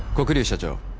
社長